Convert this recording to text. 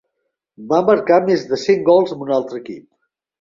Va marcar més de cent gols amb un altre equip.